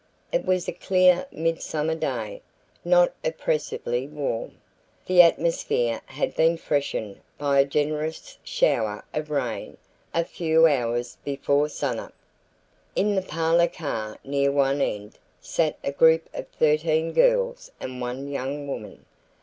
It was a clear midsummer day, not oppressively warm. The atmosphere had been freshened by a generous shower of rain a few hours before sunup. In the parlor car near one end sat a group of thirteen girls and one young woman.